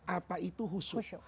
apa itu husu